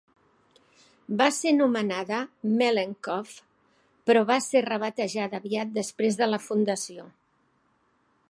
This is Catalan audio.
Va ser anomenada Mellenskov, però va ser rebatejada aviat després de la fundació.